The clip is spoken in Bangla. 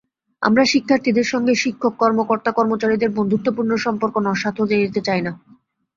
আমরা শিক্ষার্থীদের সঙ্গে শিক্ষক-কর্মকর্তা-কর্মচারীদের বন্ধুত্বপূর্ণ সম্পর্ক নস্যাৎ হতে দিতে চাই না।